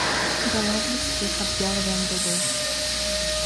Голов людских обделываем дубы.